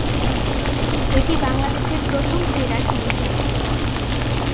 এটি বাংলাদেশের প্রথম ক্রীড়া টিভি চ্যানেল।